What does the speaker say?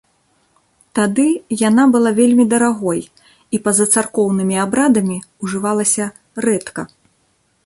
Тады яна была вельмі дарагой і па-за царкоўнымі абрадамі ўжывалася рэдка.